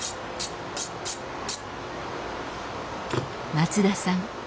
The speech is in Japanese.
松田さん